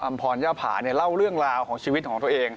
พรย่าผาเนี่ยเล่าเรื่องราวของชีวิตของตัวเอง